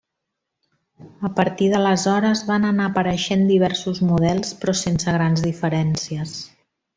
A partir d'aleshores van anar apareixent diversos models però sense grans diferències.